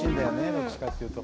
どっちかっていうと。